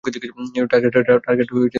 Target কাছেই আছে।